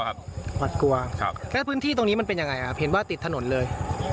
หวัดกลัวแล้วพื้นที่ตรงนี้มันเป็นยังไงครับเห็นว่าติดถนนเลย